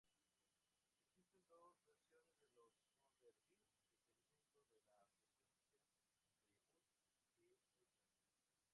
Existen dos versiones de los "Thunderbird" dependiendo de la frecuencia de bus que usan.